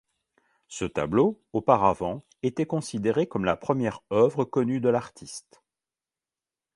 Ce tableau, auparavant, était considéré comme la première œuvre connue de l’artiste.